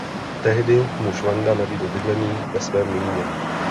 Tehdy mu Švanda nabídl bydlení ve svém mlýně.